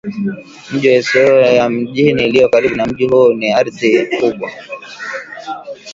mji wa Isiolo na miji iliyo karibu na mji huo ina ardhi kubwa